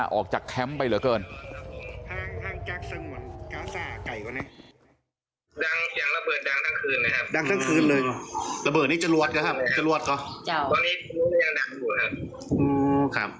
พวกมันกลับมาเมื่อเวลาที่สุดพวกมันกลับมาเมื่อเวลาที่สุด